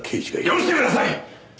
よしてください！